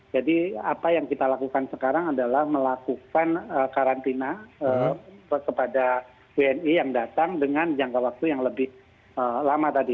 jadi apa yang kita lakukan sekarang adalah melakukan karantina kepada wni yang datang dengan jangka waktu yang lebih lama tadi